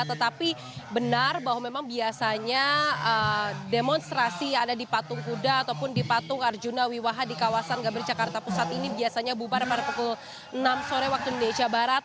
tetapi benar bahwa memang biasanya demonstrasi yang ada di patung kuda ataupun di patung arjuna wiwaha di kawasan gambir jakarta pusat ini biasanya bubar pada pukul enam sore waktu indonesia barat